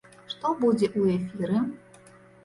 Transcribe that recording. Што будзе ў эфіры?